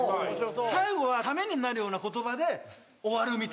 最後はタメになるような言葉で終わるみたいな。